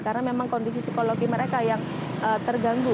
karena memang kondisi psikologi mereka yang terganggu